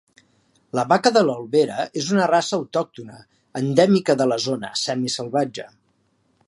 La vaca de l'Albera és una raça autòctona, endèmica de la zona, semisalvatge.